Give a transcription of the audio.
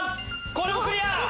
これもクリア！